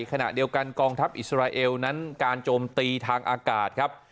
ขณะเดียวกันกองทัพอิสราเอลนั้นการโจมตีทางอากาศครับ